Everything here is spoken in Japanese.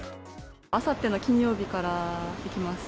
あさっての金曜日から行きます。